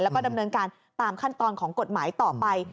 แล้วก็ดำเนินการตามขั้นตอนของกฎหมายต่อไป